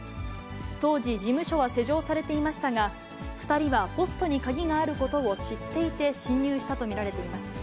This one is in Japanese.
当時、事務所は施錠されていましたが、２人はポストに鍵があることを知っていて侵入したと見られています。